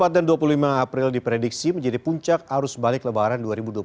empat dan dua puluh lima april diprediksi menjadi puncak arus balik lebaran dua ribu dua puluh tiga